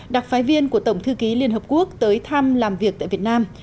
đặc phái viên của tổng thư ký liên hợp quốc tới thăm làm việc tại việt nam